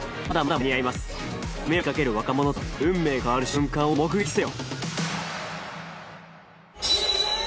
夢を追いかける若者たちの運命が変わる瞬間を目撃せよ！